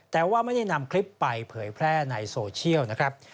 แต่ว่าไม่ได้นำคลิปไปเผยแพร่ในโซเชียลนะครับ